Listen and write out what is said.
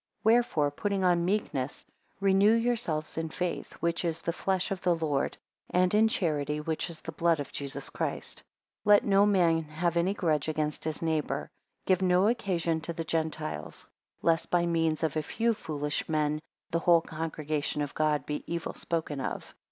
7 Wherefore putting on meekness, renew yourselves in faith, which is the flesh of the Lord; and in charity, which is the blood of Jesus Christ. 8 Let no man have any grudge against his neighbour. Give no occasion to the Gentiles; lest by means of a few foolish men, the whole congregation of God be evil spoken of.